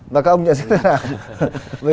và các ông nhận thức thế nào